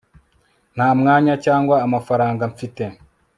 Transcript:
nta mwanya cyangwa amafaranga mfite